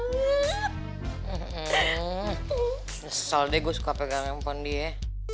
hmm ngesel deh gue suka pegang handphone dia